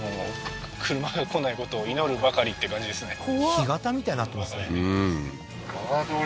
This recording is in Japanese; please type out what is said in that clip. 干潟みたいになってますね